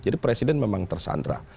jadi presiden memang tersandra